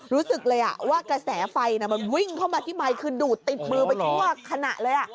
รู้สึกเลยว่ากระแสไฟมันวิ่งเข้ามาที่ไมค์คือดูดติดมือไปทั่วขณะเลย